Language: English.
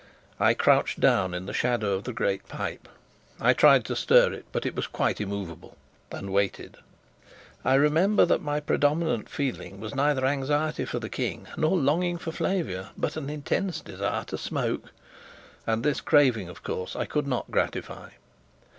I crouched down in the shadow of the great pipe I tried to stir it, but it was quite immovable and waited. I remember that my predominant feeling was neither anxiety for the King nor longing for Flavia, but an intense desire to smoke; and this craving, of course, I could not gratify.